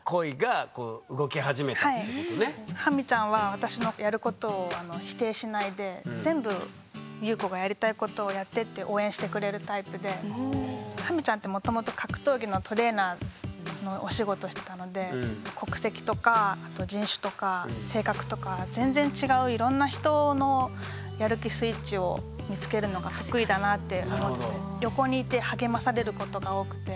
ハミちゃんは全部裕子がやりたいことをやってって応援してくれるタイプでハミちゃんってもともと格闘技のトレーナーのお仕事してたので国籍とかあと人種とか性格とか全然違ういろんな人のやる気スイッチを見つけるのが得意だなって思ってて横にいて励まされることが多くて。